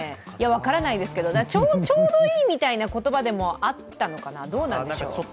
分からないですけど、ちょうどいいみたいな言葉でもあったのかな。